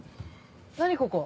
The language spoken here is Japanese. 何ここ。